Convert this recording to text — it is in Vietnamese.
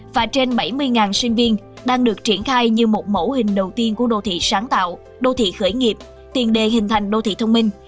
và trên bảy mươi sinh viên đang được triển khai như một mẫu hình đầu tiên của đô thị sáng tạo đô thị khởi nghiệp tiền đề hình thành đô thị thông minh